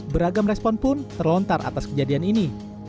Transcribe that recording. beragam respon pun terlontar atas kejadian ini